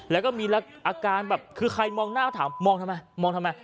แล้วก็มีอาการแบบคือใครมองหน้าถามมองทำไมมองทำไม